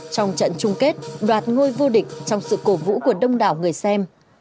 trong trận chung kết đoạt ngôi vô địch trong sự cổ vũ của đông đảo người xem